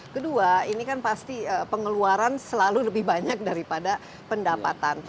kedua ini kan pasti pengeluaran selalu lebih banyak daripada pendapatan